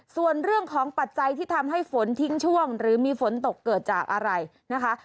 ส่วนเรื่องของปัจจัยที่ทำให้ฝนทิ้งช่วงหรือมีฝนตกเกิดจากอะไรนะคะ